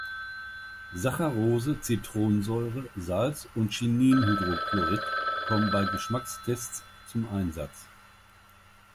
Saccharose, Zitronensäure, Salz und Chininhydrochlorid kommen bei Geschmackstests zum Einsatz.